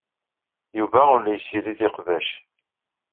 Yuba ur la yessirid iqbac.